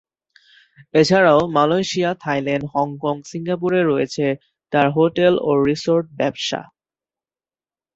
এছাড়াও Malaysia, Thailand, Hong Kong, সিঙ্গাপুরে রয়েছে তার হোটেল ও রিসোর্ট ব্যবসা।